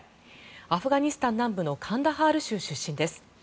アフガニスタン南部のカンダハル州出身です。